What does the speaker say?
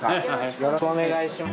よろしくお願いします。